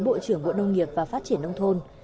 bộ trưởng bộ nông nghiệp và phát triển nông thôn